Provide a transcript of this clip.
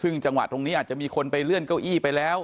ซึ่งจังหวะตรงนี้อาจจะมีคนไปเลื่อนเก้าอี้ไปแล้ว